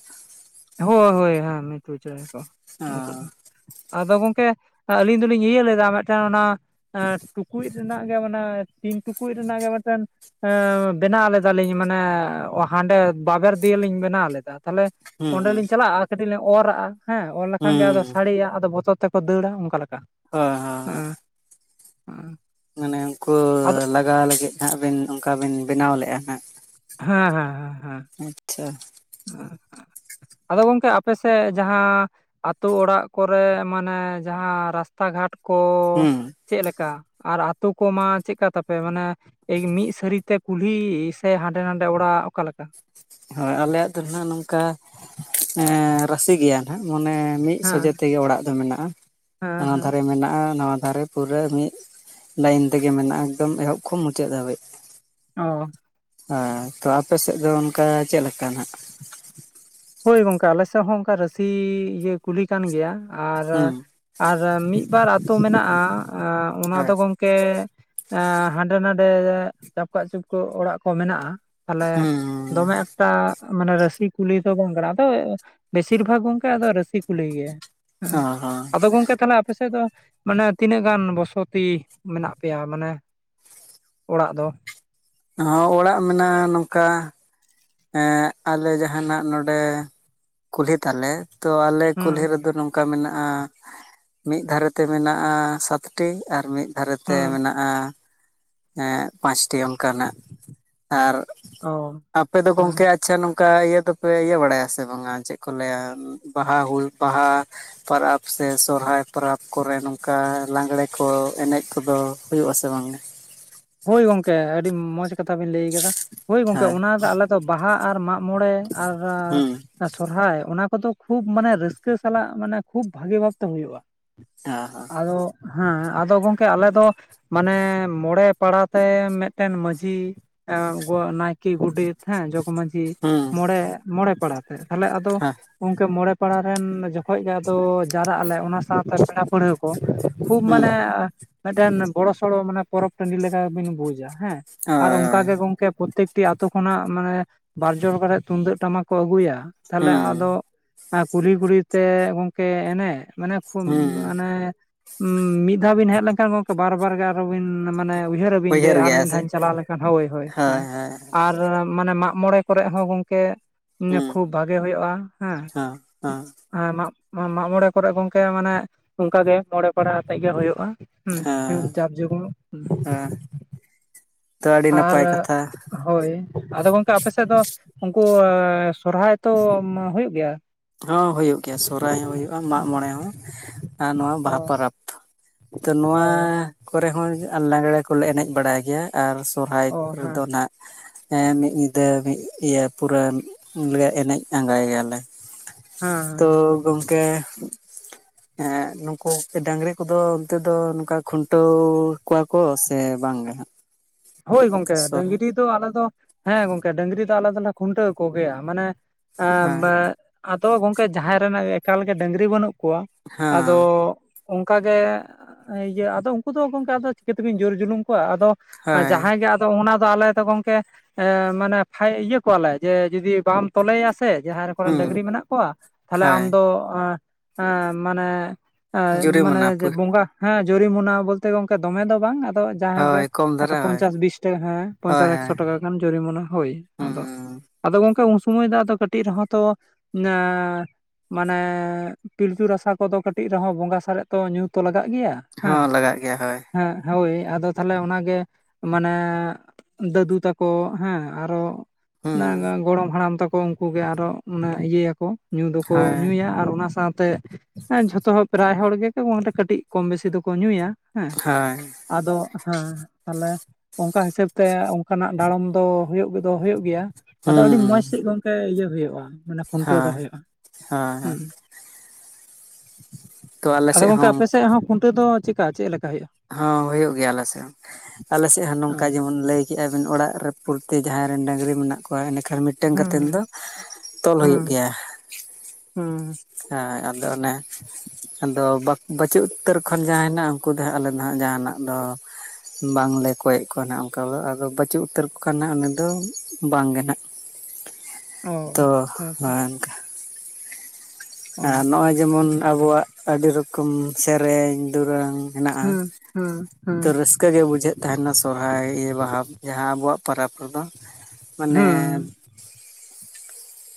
Speaker 1: ᱦᱳᱭ ᱦᱳᱭ ᱦᱮᱸ ᱢᱤᱴᱩ ᱪᱮᱬᱮ ᱠᱚ ᱩᱱᱠᱩ ᱜᱮ ᱾ ᱟᱫᱚ ᱜᱚᱝᱠᱮ ᱟᱹᱞᱤᱧ ᱫᱚᱞᱤᱧ ᱤᱭᱟᱹ ᱞᱮᱫᱟ ᱢᱮᱫᱴᱟᱱ ᱚᱱᱟ ᱴᱩᱠᱩᱡ ᱨᱮᱱᱟᱜ ᱜᱮ ᱢᱟᱱᱮ ᱛᱤᱱ ᱴᱩᱠᱩᱡ ᱨᱮᱱᱟᱜ ᱜᱮ ᱢᱮᱫᱴᱮᱱ ᱮᱸ ᱵᱮᱱᱟᱣ ᱞᱮᱫᱟᱞᱤᱧ ᱢᱟᱱᱮ ᱦᱟᱸᱰᱮ ᱵᱟᱵᱮᱨ ᱫᱤᱭᱮ ᱞᱤᱧ ᱵᱮᱱᱟᱣ ᱞᱮᱫᱟ, ᱛᱟᱦᱚᱞᱮ
Speaker 2: ᱦᱩᱸ
Speaker 1: ᱚᱸᱰᱮ
Speaker 2: ᱦᱩᱸ
Speaker 1: ᱞᱤᱧ ᱪᱟᱞᱟᱜᱼᱟ ᱟᱨ ᱠᱟᱹᱴᱤᱡ ᱞᱤᱧ ᱚᱨᱟᱜᱼᱟ ᱦᱮᱸ ᱚᱨ ᱞᱮᱠᱷᱟᱱ ᱜᱮ
Speaker 2: ᱦᱩᱸ
Speaker 1: ᱟᱫᱚ ᱥᱟᱹᱲᱮᱜᱼᱟ ᱟᱫᱚ ᱵᱚᱛᱚᱨ ᱛᱮᱠᱚ ᱫᱟᱹᱲᱟ ᱚᱱᱠᱟ ᱞᱮᱠᱟ᱾
Speaker 2: ᱦᱮᱸ ᱦᱮᱸ᱾
Speaker 1: ᱦᱮᱸ
Speaker 2: ᱢᱟᱱᱮ ᱩᱱᱠᱩ
Speaker 1: ᱟᱫᱚ
Speaker 2: ᱞᱟᱜᱟ ᱞᱟᱹᱜᱤᱫ ᱦᱟᱸᱜ ᱵᱤᱱ ᱚᱱᱠᱟ ᱵᱤᱱ ᱵᱮᱱᱟᱣ ᱞᱮᱫᱼᱟ ᱦᱟᱸᱜ᱾
Speaker 1: ᱦᱟᱸ ᱦᱟᱸ ᱦᱟᱸ ᱦᱟᱸ
Speaker 2: ᱟᱪᱪᱷᱟ᱾
Speaker 1: [inaudible] ᱟᱫᱚ ᱜᱚᱝᱠᱮ ᱟᱯᱮ ᱥᱮᱫ ᱡᱟᱦᱟᱸ ᱟᱹᱛᱩ ᱚᱲᱟᱜ ᱠᱚᱨᱮ ᱢᱟᱱᱮ ᱡᱟᱦᱟᱸ ᱨᱟᱥ ᱛᱟ ᱜᱷᱟᱴ ᱠᱚ
Speaker 2: ᱦᱩᱸ
Speaker 1: ᱪᱮᱫ ᱞᱮᱠᱟ? ᱟᱨ ᱟᱛᱳ ᱠᱚᱢᱟ ᱪᱮᱫᱠᱟ ᱛᱟᱯᱮ? ᱢᱟᱱᱮ ᱮᱜ ᱢᱤᱫ ᱥᱟᱹᱨᱤᱛᱮ ᱠᱩᱞᱦᱤ ᱥᱮ ᱦᱟᱸᱰᱮ ᱱᱟᱰᱮ ᱚᱲᱟᱜ ᱚᱠᱟᱞᱮᱠᱟ?
Speaker 2: ᱦᱳᱭ ᱟᱞᱮᱭᱟᱜ ᱫᱚ ᱱᱟᱦᱟᱜ ᱱᱚᱝᱠᱟ ᱨᱟᱥᱤ ᱜᱮᱭᱟ ᱱᱟᱜ ᱢᱟᱱᱮ ᱢᱤᱫ
Speaker 1: ᱦᱮᱸ
Speaker 2: ᱥᱚᱡᱷᱮ ᱛᱮᱜᱮ ᱚᱲᱟᱜ ᱫᱚ ᱢᱮᱱᱟᱜᱼᱟ
Speaker 1: ᱦᱮᱸ
Speaker 2: ᱾ᱦᱟᱱᱟ
Speaker 1: ᱦᱮᱸ
Speaker 2: ᱫᱷᱟᱨᱮ ᱢᱮᱱᱟᱜᱼᱟ ᱱᱟᱣᱟ ᱫᱷᱟᱨᱮ ᱯᱩᱨᱟᱹ ᱢᱤᱫ ᱞᱟᱭᱤᱱ ᱛᱮᱜᱮ ᱢᱮᱱᱟᱜᱼᱟ ᱮᱠᱫᱚᱢ ᱮᱦᱚᱵ ᱠᱷᱚᱱ ᱢᱩᱪᱟᱹᱫ ᱫᱷᱟᱹᱵᱤᱡ᱾
Speaker 1: ᱚ᱾
Speaker 2: ᱦᱮᱸ ᱛᱚ ᱟᱯᱮ ᱥᱮᱫ ᱫᱚ ᱚᱱᱠᱟ ᱪᱮᱫ ᱞᱮᱠᱟ ᱱᱟᱜᱟᱜ?
Speaker 1: ᱦᱳᱭ ᱜᱚᱝᱠᱮ ᱟᱞᱮᱥᱮᱫ ᱦᱚᱸ ᱚᱱᱠᱟ ᱨᱟᱹᱥᱤ ᱤᱭᱟᱹ ᱠᱩᱞᱤ ᱠᱟᱱ ᱜᱮᱭᱟ ᱟᱨ,
Speaker 2: ᱦᱩᱸ
Speaker 1: ᱟᱨ ᱢᱤᱫ ᱵᱟᱨ ᱟᱛᱩ ᱢᱮᱱᱟᱜᱼᱟ, ᱟᱸ ᱚᱱᱟ ᱫᱚ
Speaker 2: ᱦᱳᱭ
Speaker 1: ᱜᱚᱝ- ᱠᱮ ᱮᱸ ᱦᱟᱸᱰᱮ ᱱᱷᱟᱰᱮ ᱪᱟᱯᱠᱟᱜ ᱪᱩᱯᱠᱟᱹᱜ ᱚᱲᱟᱜ ᱠᱚ ᱢᱮᱱᱟᱜᱼᱟ, ᱛᱟᱦᱮᱞᱮ
Speaker 2: ᱦᱩᱸ
Speaker 1: ᱫᱚᱢᱮ ᱮᱠᱴᱟ ᱢᱟᱱᱮ ᱨᱟᱹᱥᱤ ᱠᱩᱞᱦᱤ ᱫᱚ ᱵᱚᱝᱜᱽᱲᱟ ᱫᱚᱭ ᱵᱮᱥᱤᱨ ᱵᱷᱟᱜᱽ ᱜᱚᱝᱠᱮ ᱟᱫᱚ ᱨᱟᱹᱥᱤ ᱠᱩᱞᱦᱤ ᱜᱮ ᱾ ᱦᱮᱸ
Speaker 2: ᱦᱚᱸ ᱦᱚᱸ
Speaker 1: ᱟᱫᱚ ᱜᱚᱝᱠᱮ ᱛᱟᱦᱮᱞᱮ ᱟ ᱯᱮ ᱥᱮᱫ ᱫᱚ ᱢᱟᱱᱮ ᱛᱤᱱᱟᱹᱜ ᱜᱟᱱ ᱵᱚᱥᱚᱛᱤ ᱢᱮᱱᱟᱜ ᱯᱮᱭᱟ, ᱢᱟᱱᱮ ᱚᱲᱟᱜ ᱫᱚ?
Speaker 2: ᱦᱚᱸ ᱚᱲᱟᱜ ᱢᱮᱱᱟᱜᱼᱟ ᱱᱚᱝᱠᱟ ᱮᱸ ᱟᱞᱮ ᱡᱟᱦᱟᱸᱱᱟᱜ ᱱᱚᱰᱮ ᱠᱩᱞᱦᱤ ᱛᱟᱞᱮ ᱛᱚ ᱟᱞᱮ
Speaker 1: ᱦᱩᱸ
Speaker 2: ᱠᱩᱞᱦᱤ ᱨᱮᱫᱚ ᱱᱚᱝ ᱠᱟ ᱢᱮᱱᱟᱜᱼᱟ ᱢᱤᱫ ᱫᱷᱟᱨᱮ ᱛᱮ ᱢᱮᱱᱟᱜᱼᱟ ᱥᱟᱛ ᱴᱤ ᱟᱨ ᱢᱤᱫ ᱫᱷᱟᱨᱮ ᱛᱮ
Speaker 1: ᱦᱩᱸ
Speaker 2: ᱢᱮᱱᱟᱜ ᱟᱸ ᱮᱸ ᱯᱟᱸᱪ ᱴᱤ ᱚᱱᱠᱟ ᱱᱷᱟᱸᱜ, ᱟᱨ
Speaker 1: ᱚ
Speaker 2: ᱟᱯᱮ ᱫᱚ
Speaker 1: ᱦᱮᱸ
Speaker 2: ᱜᱚᱝᱠᱮ ᱟᱪ ᱪᱷᱟ ᱱᱚᱝᱠᱟ ᱤᱭᱟᱹ ᱫᱚᱯᱮ ᱤᱭᱟᱹ ᱵᱟᱲᱟᱭᱟ ᱥᱮ ᱵᱟᱝᱼᱟ, ᱪᱮᱜ ᱠᱚ ᱞᱟᱹᱭᱼᱟ ᱵᱟᱦᱟ ᱦᱩᱭ ᱵᱟᱦᱟ ᱯᱟᱨᱟᱵᱽ ᱥᱮ ᱥᱚᱨᱦᱟᱭ ᱯᱚᱨᱟᱵᱽ ᱠᱚᱨᱮ ᱱᱚᱝᱠᱟ ᱞᱟᱸᱜᱽᱲᱮ ᱠᱚ ᱮᱱᱮᱡ ᱠᱚᱫᱚ ᱦᱩᱭᱩᱜᱼᱟ ᱥᱮ ᱵᱟᱝ ᱜᱮ?
Speaker 1: ᱦᱳᱭ ᱜᱚᱝᱠᱮ ᱟᱹᱰᱤ ᱢᱚᱸᱡᱽ ᱠᱟᱛᱷᱟ ᱵᱤᱱ ᱞᱟᱹᱭ ᱟᱠᱟᱫᱟ ᱾ ᱦᱚᱭ ᱜᱚᱝᱠᱮ
Speaker 2: ᱦᱮᱸ
Speaker 1: ᱚᱱᱟ ᱫᱚ ᱟᱞᱮ ᱫᱚ ᱵᱟᱦᱟ ᱟᱨ ᱢᱟᱜ ᱢᱚᱬᱮ ᱟᱨᱻᱨᱟ
Speaker 2: ᱦᱩᱸ
Speaker 1: ᱥᱚᱨᱦᱟᱭ ᱚᱱᱟ ᱠᱚᱫᱚ ᱠᱷᱩᱵᱽ ᱢᱟᱱᱮ ᱨᱟᱹᱥᱠᱟᱹ ᱥᱟᱞᱟᱜ ᱢᱟᱱᱮ ᱠᱷᱩᱵᱽ ᱵᱷᱟᱜᱮ ᱵᱷᱟᱵᱽᱼᱛᱮ ᱦᱩᱭᱩᱜᱼᱟ᱾
Speaker 2: ᱚ ᱦᱚ᱾
Speaker 1: ᱟᱫᱚᱻᱜ ᱦᱟᱸ, ᱟᱫᱚ ᱜᱚᱝᱠᱮ ᱟᱞᱮ ᱫᱚ ᱢᱟᱱᱮ ᱢᱚᱲᱮ ᱯᱟᱲᱟᱣ ᱛᱮ ᱢᱮᱫᱴᱮᱱ ᱢᱟᱺᱡᱷᱤ ᱮᱸ ᱜᱚ ᱱᱟᱭ- ᱠᱤ ᱜᱩᱰᱤᱛ ᱦᱮᱸ ᱡᱚᱜᱽ ᱢᱟᱺᱡᱷᱤ
Speaker 2: ᱦᱩᱸ
Speaker 1: ᱢᱚᱲᱮ ᱢᱚᱲᱮ ᱯᱟᱲᱟ ᱛᱮ᱾ ᱛᱟᱦᱮᱞᱮ ᱟᱫᱚ
Speaker 2: ᱦᱮᱸ
Speaker 1: ᱜᱚᱝᱠᱮ ᱢᱚᱲᱮ ᱯᱟᱲᱟ ᱨᱮᱱ ᱡᱚᱠᱷᱚᱡ ᱜᱮ ᱟᱫᱚ ᱡᱟᱣᱨᱟᱜ ᱟᱞᱮ ᱚᱱᱟ ᱥᱟᱶᱛᱮ ᱯᱮᱲᱟ ᱯᱟᱹᱲᱦᱟᱹ ᱠᱚ ᱠᱷᱩᱵᱽ
Speaker 2: ᱦᱩᱸ
Speaker 1: ᱢᱟᱱᱮᱻᱮᱸ ᱢᱤᱫᱴᱟᱹᱱ ᱵᱚᱲᱚ ᱥᱚᱲᱚ ᱢᱟᱱᱮ ᱯᱚᱨᱚᱵᱽ ᱴᱟᱺᱰᱤ ᱞᱮᱠᱟ ᱜᱮ ᱵᱤᱱ ᱵᱩᱡᱽᱼᱟ᱾ ᱦᱮᱸ ᱟᱨ
Speaker 2: ᱦᱳᱭ
Speaker 1: ᱚᱝᱠᱟ
Speaker 2: ᱦᱳᱭ
Speaker 1: ᱜᱮ ᱜᱚᱝᱠᱮ ᱯᱩᱛᱤᱠ ᱴᱤ ᱟᱹᱛᱩ ᱠᱷᱚᱱᱟᱜ ᱢᱟᱱᱮ ᱵᱟᱨ ᱡᱚᱲ ᱠᱟᱛᱮᱫ ᱛᱩᱢᱫᱟᱹᱜ ᱴᱟᱢᱟᱠ ᱠᱚ ᱟᱹᱜᱩᱭᱟ ᱛᱟᱦᱮᱞᱮ ᱟᱫᱚ
Speaker 2: ᱦᱩᱸ
Speaker 1: ᱟᱸ ᱠᱩᱞᱦᱤ - ᱠᱩᱞᱦᱤ ᱛᱮᱻ ᱜᱚᱝᱠᱮ ᱮᱱᱮᱜ ᱢᱟᱱᱮ ᱠᱷᱩᱵ
Speaker 2: ᱦᱩᱸ
Speaker 1: ᱚᱱᱮᱜ ᱩᱸ ᱢᱤᱫ ᱫᱷᱟᱣ ᱵᱤᱱ ᱦᱮᱜ ᱞᱮᱱᱠᱷᱟᱱ ᱜᱚᱝᱠᱮ ᱵᱟᱨ - ᱵᱟᱨ ᱜᱮ ᱟᱨᱦᱚ ᱵᱤᱱ ᱢᱟᱱᱮ ᱩᱭᱦᱟᱹᱨᱟᱹᱵᱤᱱ ᱡᱮ
Speaker 2: ᱩᱭᱦᱟᱹᱨ
Speaker 1: ᱟᱨ
Speaker 2: ᱜᱮᱭᱟ
Speaker 1: ᱢᱤᱫ
Speaker 2: ᱥᱮ
Speaker 1: ᱫᱷᱟᱣ ᱤᱧ ᱪᱟᱞᱟᱣ ᱞᱮᱝᱠᱷᱟᱱ ᱦᱳᱭ - ᱦᱳᱭ ᱦᱮᱸ, ᱟᱨ ᱟᱸ ᱢᱟᱱᱮ ᱢᱟᱜ ᱢᱚᱲᱮ ᱠᱚᱨᱮᱜ ᱦᱚᱸ ᱜᱚᱝᱠᱮᱻᱜ ᱩᱸᱻᱧᱟ
Speaker 2: ᱦᱩᱸ
Speaker 1: ᱠᱷᱩᱵᱽ ᱵᱷᱟᱜᱮ ᱦᱳᱭᱳᱜᱼᱟ, ᱦᱮᱸ
Speaker 2: ᱦᱚᱸ ᱦᱚᱸ
Speaker 1: ᱟᱸ ᱢᱟᱜ, ᱢᱟᱜ ᱢᱚᱲᱮ ᱠᱚᱨᱮᱜ ᱜᱚᱝᱠᱮ ᱢᱟᱱᱮᱜ ᱚᱝᱠᱟ ᱜᱮ ᱢᱚᱲᱮ ᱯᱟᱲᱟ ᱦᱟᱛᱮᱫ ᱜᱮ ᱦᱳᱭᱳᱜᱼᱟ ᱾ ᱦᱩᱸ- ᱦᱩᱸᱯ
Speaker 2: ᱦᱮᱸ
Speaker 1: ᱪᱟᱯ ᱡᱩᱜᱽᱼᱲᱩᱜ᱾
Speaker 2: ᱦᱮᱸ ᱾
Speaker 1: ᱟᱼᱨᱟᱜ ᱦᱳᱭ, ᱟᱫᱚ ᱜᱚᱝᱠᱮ ᱟᱯᱮᱥᱮᱫ ᱫᱚ ᱩᱝᱠᱩᱻ ᱮ ᱥᱚᱨᱦᱟᱭ ᱛᱳᱻᱢ ᱦᱩᱭᱩᱜ ᱜᱮᱭᱟ?
Speaker 2: ᱦᱚᱸ ᱦᱩᱭᱩᱜ ᱜᱮᱭᱟ ᱥᱚᱦᱨᱟᱭ ᱦᱚᱸ ᱦᱩᱭᱩᱜᱼᱟ, ᱢᱟᱜ ᱢᱚᱬᱮ ᱦᱚᱸ, ᱟᱨ ᱱᱚᱣᱟ
Speaker 1: ᱚ
Speaker 2: ᱵᱟᱦᱟ ᱯᱚᱨᱟᱵᱽ᱾ ᱛᱚ ᱱᱚᱣᱟᱻ
Speaker 1: ᱚ
Speaker 2: ᱠᱚᱨᱮ ᱦᱚᱸᱧ ᱟᱸ ᱞᱟᱸᱜᱽᱬᱮ ᱠᱚ ᱠᱚᱞᱮ ᱮᱱᱮᱡ ᱵᱟᱲᱟᱭ ᱜᱮᱭᱟ ᱟᱨ ᱥᱚᱨᱦᱟᱭ
Speaker 1: ᱚ
Speaker 2: ᱠᱚᱨᱮ ᱫᱚ
Speaker 1: ᱦᱮᱸ
Speaker 2: ᱚᱱᱟ ᱦᱮᱸ ᱢᱤᱫ ᱧᱤᱫᱟᱹ ᱢᱤᱫ ᱤᱭᱟᱹ ᱯᱩᱨᱟᱹ ᱞᱮ ᱮᱱᱮᱡ ᱟᱸᱜᱟ ᱭᱟᱞᱮ᱾
Speaker 1: ᱦᱮᱸ ᱦᱮᱸ
Speaker 2: ᱛᱳᱻ ᱜᱚᱝᱠᱮ
Speaker 1: [inaudible]
Speaker 2: ᱦᱮᱸᱻᱜ ᱱᱩᱝᱠᱩᱠ ᱰᱟᱺᱜᱽᱨᱤ ᱠᱚᱫᱚ ᱚᱱᱛᱮ ᱫᱚ ᱱᱚᱝᱠᱟ ᱠᱷᱩᱱᱴᱟᱹᱣ ᱠᱚᱣᱟ ᱠᱚ ᱥᱮ ᱵᱟᱝ ᱜᱮ ᱱᱷᱟᱸᱜ?
Speaker 1: ᱦᱳᱭ ᱜᱚᱝᱠᱮ ᱰᱟᱺᱜᱽᱨᱤ ᱫᱚ ᱟᱞᱮ ᱫᱚ ᱦᱮᱸ ᱜᱚᱝᱠᱮ ᱰᱟᱺᱜᱽᱨᱤ ᱫᱚ ᱟᱞᱮ ᱫᱚᱞᱮ ᱠᱷᱩᱱᱴᱟᱹᱣ ᱠᱚᱜᱮᱭᱟ, ᱢᱟᱱᱮ ᱮᱸᱻ
Speaker 2: ᱦᱮᱸ
Speaker 1: ᱵᱮᱻᱜ ᱟᱫᱚ ᱜᱚᱝᱠᱮ ᱡᱟᱦᱟᱸᱭ ᱨᱮᱱᱟᱜ ᱜᱮ ᱮᱠᱟᱞ ᱜᱮ ᱰᱟᱺᱜᱽᱨᱤ ᱵᱟᱹᱱᱩᱜ ᱠᱚᱣᱟ,
Speaker 2: ᱦᱮᱸ
Speaker 1: ᱟᱫᱚᱻᱜ ᱚᱝᱠᱟᱜᱮᱻᱜ ᱤᱭᱟᱹ ᱟᱫᱚ ᱩᱝᱠᱩ ᱫᱚ ᱜᱚᱝᱠᱮ ᱟᱫᱚ ᱪᱤᱠᱟᱹ ᱛᱮᱵᱤᱱ ᱡᱳᱨ ᱡᱩᱞᱩᱢ ᱠᱚᱣᱟ ᱟᱫᱚ ᱟᱨ
Speaker 2: ᱦᱳᱭ
Speaker 1: ᱡᱟᱦᱟᱸᱭ ᱜᱮ ᱟᱫ ᱟᱫᱚ ᱚᱱᱟ ᱫᱚ ᱟᱞᱮ ᱫᱚ ᱜᱚᱝᱠᱮ ᱮᱸᱻ ᱢᱟᱱᱮ ᱯᱷᱟᱭ ᱤᱭᱟᱹ ᱠᱚᱣᱟᱞᱮ ᱡᱮ ᱡᱩᱫᱤ ᱵᱟᱢ ᱛᱚᱞᱮᱭᱟ ᱥᱮ ᱡᱟᱦᱟᱸᱭ ᱠᱚᱨᱮᱱ
Speaker 2: ᱦᱩᱸ
Speaker 1: ᱰᱟᱹᱝᱜᱽᱨᱤ ᱢᱮᱱᱟᱜ ᱠᱚᱣᱟ ᱛᱟᱦᱞᱮ
Speaker 2: ᱦᱳᱭ
Speaker 1: ᱟᱢ ᱫᱚ ᱟᱸ ᱢᱟᱱᱮ ᱟᱸ
Speaker 2: ᱡᱩᱨᱤ
Speaker 1: ᱢᱟᱱᱮ
Speaker 2: ᱢᱟᱱᱟ ᱯᱩ
Speaker 1: ᱡᱮ ᱵᱚᱸᱜᱟ ᱦᱮᱸ ᱡᱩᱨᱤᱢᱚᱱᱟ ᱵᱚᱞᱛᱮ ᱜᱮ ᱜᱚᱝᱠᱮ ᱫᱚᱢᱮ ᱫᱚ ᱵᱟᱝ ᱟᱫᱚ ᱡᱟᱦᱟᱸᱭ ᱜᱮ
Speaker 2: ᱦᱳᱭ ᱠᱚᱢ ᱫᱷᱟ
Speaker 1: ᱯᱚᱧᱪᱟᱥ ᱵᱤᱥ ᱴᱟᱠᱟ ᱦᱮᱸ ᱯᱚᱧᱪᱟᱥ ᱮᱠᱥᱚ ᱴᱟᱠᱟ ᱜᱟᱱ ᱡᱚᱨᱤᱢᱟᱱᱟ ᱦᱳᱭ ᱟᱫᱚ
Speaker 2: ᱦᱩᱸ
Speaker 1: ᱟᱫᱚ ᱜᱚᱝᱠᱮ ᱩᱱ ᱥᱚᱢᱚᱭ ᱫᱚ ᱟᱫᱚ ᱠᱟᱹᱴᱤᱡ ᱨᱮᱦᱚᱸ ᱛᱚ ᱧᱟᱻ ᱢᱟᱱᱮ ᱯᱤᱞᱪᱩ ᱨᱟᱥᱟ ᱠᱚᱫᱚ ᱠᱟᱹᱴᱤᱡ ᱨᱮᱦᱚᱸ ᱵᱚᱸᱜᱟ ᱥᱟᱨᱮᱡ ᱛᱚ ᱧᱩᱛᱚ ᱞᱟᱜᱟᱜ ᱜᱮᱭᱟ ᱾
Speaker 2: ᱦᱚᱸ ᱞᱟᱜᱟᱜ ᱜᱮᱭᱟ ᱦᱳᱭ ᱾
Speaker 1: ᱦᱮᱸ ᱦᱳᱭ ᱟᱫᱚ ᱛᱟᱦᱟᱞᱮ ᱚᱱᱟ ᱜᱮ ᱢᱟᱱᱮ ᱫᱟᱹᱫᱩ ᱛᱟᱠᱚ ᱦᱮᱸ ᱟᱨᱚ
Speaker 2: ᱦᱩᱸ
Speaker 1: ᱱᱟ ᱚᱱᱟ ᱜᱚᱲᱚᱢ ᱦᱟᱲᱟᱢ ᱛᱟᱠᱚ ᱩᱝᱠᱩ ᱜᱮ ᱟᱨᱚ ᱚᱱᱟ ᱤᱭᱟᱹᱭᱟᱠᱚ ᱾ ᱧᱩ ᱫᱚᱠᱚ
Speaker 2: ᱦᱳᱭ
Speaker 1: ᱧᱩᱭᱟ ᱟᱨ ᱚᱱᱟ ᱥᱟᱶᱛᱮ ᱦᱮᱸ ᱡᱷᱚᱛᱚ ᱦᱚᱲ ᱯᱨᱟᱭ ᱦᱚᱲ ᱜᱮ ᱠᱚ [unintelligible] ᱠᱟᱹᱴᱤᱡ ᱠᱚᱢ ᱵᱮᱥᱤ ᱫᱚᱠᱚ ᱧᱩᱭᱟ ᱦᱮᱸ᱾
Speaker 2: ᱦᱳᱭ
Speaker 1: ᱟᱫᱚ ᱦᱮᱸ ᱛᱟᱦᱟᱞᱮ ᱚᱝᱠᱟ ᱦᱤᱥᱟᱹᱵᱽ ᱛᱮ ᱚᱝᱠᱟᱱᱟᱜ ᱰᱟᱸᱲᱚᱢ ᱫᱚ ᱦᱩᱭᱩᱜ ᱜᱮᱫᱚ ᱦᱩᱭᱩᱜ ᱜᱮᱭᱟ ᱾ ᱟᱫᱚ ᱟᱹᱰᱤ
Speaker 2: ᱦᱩᱸ
Speaker 1: ᱢᱚᱸᱡᱽ ᱥᱟᱺᱦᱤᱡ ᱜᱚᱝᱠᱮ ᱤᱭᱟᱹ ᱦᱩᱭᱩᱜᱼᱟ ᱢᱟᱱᱮ ᱠᱷᱩᱱᱴᱟᱹᱣ ᱫᱚ
Speaker 2: ᱦᱳᱭ
Speaker 1: ᱦᱩᱭᱩᱜᱼᱟ ᱾ ᱦᱩᱸ
Speaker 2: ᱦᱳᱭ
Speaker 1: ᱾
Speaker 2: ᱛᱚ ᱟᱞᱮ
Speaker 1: ᱟᱫᱚ
Speaker 2: ᱥᱮᱫ
Speaker 1: ᱜᱚᱝᱠᱮ
Speaker 2: ᱦᱚᱸ
Speaker 1: ᱟᱯᱮ
Speaker 2: ᱚᱱᱠ-
Speaker 1: ᱥᱮᱜ ᱦᱚᱸ ᱠᱷᱩᱱᱴᱟᱹᱣ ᱫᱚ ᱪᱮᱜᱠᱟ ᱪᱮᱫ ᱞᱮᱠᱟ ᱦᱩᱭᱩᱜᱼᱟ?
Speaker 2: ᱦᱚᱸ ᱦᱩᱭᱩᱜ ᱜᱮᱭᱟ ᱟᱞᱮᱥᱮᱜ ᱦᱚᱸ ᱟᱞᱮᱥᱮᱜ ᱦᱚᱸ
Speaker 1: ᱚ
Speaker 2: ᱱᱚᱝᱠᱟ ᱡᱮᱢᱚᱱ ᱞᱟᱹᱭ ᱠᱮᱜ ᱟᱹᱵᱤᱱ ᱚᱲᱟᱜ ᱨᱮ ᱯᱩᱨᱛᱤ ᱡᱟᱦᱟᱸᱭ ᱨᱮᱱ ᱰᱟᱹᱝᱨᱤ ᱢᱮᱱᱟᱜ ᱠᱚᱣᱟ ᱮᱱᱮᱠᱷᱟᱱ ᱢᱤᱫ ᱢᱤᱫᱴᱮᱱ
Speaker 1: ᱦᱩᱸ
Speaker 2: ᱠᱟᱛᱮᱱ ᱫᱚ ᱛᱚᱞ
Speaker 1: ᱦᱩᱸ
Speaker 2: ᱦᱩᱭᱩᱜ ᱜᱮᱭᱟ ᱾
Speaker 1: ᱦᱩᱸ
Speaker 2: ᱟᱸ ᱟᱫᱚ ᱚᱱᱮ ᱟᱫᱚ ᱵᱟᱠ ᱵᱟᱹᱪᱩᱜ ᱩᱛᱟᱹᱨ ᱠᱷᱚᱱ ᱡᱟᱦᱟᱸ ᱱᱟᱜ ᱩᱱᱠᱩ ᱫᱚ ᱦᱟᱸᱜ ᱟᱞᱮ ᱫᱚ ᱦᱟᱸᱜ ᱡᱟᱦᱟᱸᱱᱟᱜ ᱫᱚ ᱵᱟᱝᱞᱮ ᱠᱚᱭᱮᱜ ᱠᱚᱣᱟ ᱱᱷᱟᱜ ᱚᱝᱠᱟ ᱫᱚ ᱟᱫᱚ ᱵᱟᱹᱪᱩᱜ ᱩᱛᱟᱹᱨ ᱠᱚ ᱠᱷᱟᱱ ᱱᱷᱟᱜ ᱩᱱᱤ ᱫᱚ ᱵᱟᱝᱜᱮ ᱱᱷᱟᱜ
Speaker 1: ᱚ
Speaker 2: ᱾ ᱛᱚ
Speaker 1: ᱦᱮᱸᱛᱚ
Speaker 2: [unintelligible]
Speaker 1: ᱚ
Speaker 2: ᱟᱨ ᱱᱚᱜᱼᱚᱭ ᱡᱮᱢᱚᱱ ᱟᱵᱚᱣᱟᱜ ᱟᱹᱰᱤ ᱨᱚᱠᱚᱢ ᱥᱮᱨᱮᱧ ᱫᱩᱨᱟᱹᱝ ᱦᱮᱱᱟᱜᱼᱟ
Speaker 1: ᱦᱩᱸ ᱦᱩᱸ ᱦᱩᱸ
Speaker 2: ᱛᱚ ᱨᱟᱹᱥᱠᱟᱹ ᱜᱮ ᱵᱩᱡᱷᱟᱹᱜ ᱛᱟᱦᱮᱱᱟ ᱥᱚᱦᱨᱟᱭ ᱵᱟᱦᱟ ᱡᱟᱦᱟᱸ ᱟᱵᱚᱣᱟᱜ ᱯᱟᱨᱟᱵᱽ ᱨᱮᱫᱚ ᱢᱟᱱᱮ
Speaker 1: ᱦᱩᱸ